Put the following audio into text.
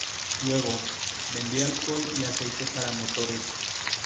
Luego, vendió alcohol y aceite para motores.